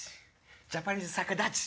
ジャパニーズ逆立ち。